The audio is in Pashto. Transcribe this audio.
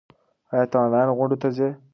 ایا ته آنلاین غونډو ته ځې؟